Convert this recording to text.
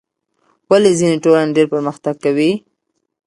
ولې ځینې ټولنې ډېر پرمختګ کوي؟